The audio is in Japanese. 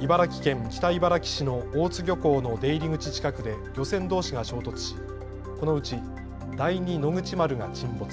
茨城県北茨城市の大津漁港の出入り口近くで漁船どうしが衝突し、このうち第二野口丸が沈没。